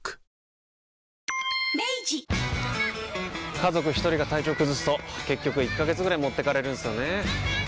家族一人が体調崩すと結局１ヶ月ぐらい持ってかれるんすよねー。